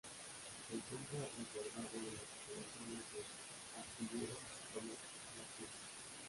Se encuentra resguardado en las instalaciones del Astillero Domecq García.